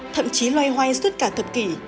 thậm chí loay hoay suốt cả thập kỷ